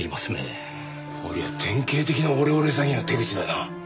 こりゃ典型的なオレオレ詐欺の手口だな。